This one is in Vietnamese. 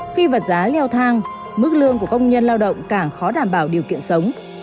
khi vật giá leo thang mức lương của công nhân lao động càng khó đảm bảo điều kiện sống